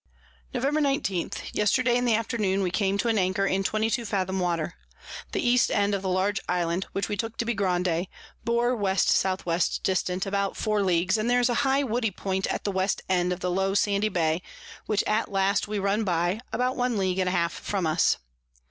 Nov. 19. Yesterday in the Afternoon we came to an anchor in 22 Fathom Water. The East End of the large Island, which we took to be Grande, bore W S W dist. about 4 Ls. and there's a high woody Point at the West end of the low sandy Bay, which at last we run by, about one League and a half from us.